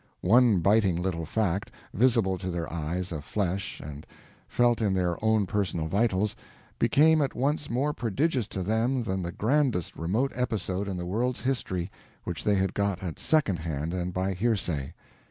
One biting little fact, visible to their eyes of flesh and felt in their own personal vitals, became at once more prodigious to them than the grandest remote episode in the world's history which they had got at second hand and by hearsay.